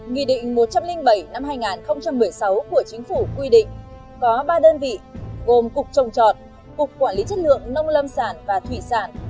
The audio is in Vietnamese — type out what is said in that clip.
nghị định một trăm linh bảy năm hai nghìn một mươi sáu của chính phủ quy định có ba đơn vị gồm cục trồng trọt cục quản lý chất lượng nông lâm sản và thủy sản